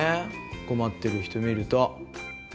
困ってる人見ると。